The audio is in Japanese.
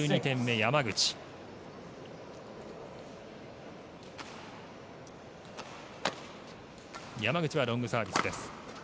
山口はロングサービスです。